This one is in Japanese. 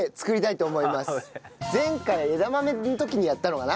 前回枝豆の時にやったのかな？